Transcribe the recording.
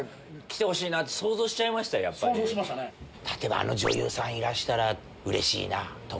例えばあの女優さんいらしたらうれしいな！とか。